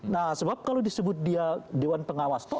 nah sebab kalau disebut dia dewan pengawas